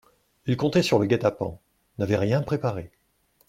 Ils comptaient sur le guet-apens, n'avaient rien préparé.